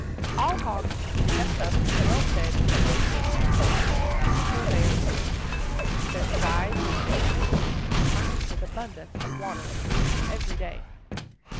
All hogs should be kept up and well fed for three weeks, at least, before they are killed; their styes be frequently cleaned, and furnished with abundance of water, renewed every day.